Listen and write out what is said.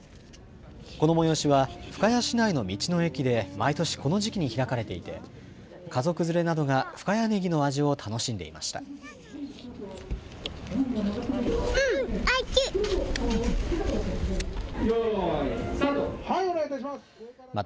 この催しは深谷市内の道の駅で毎年この時期に開かれていて家族連れなどが深谷ねぎの味を楽しんでいました。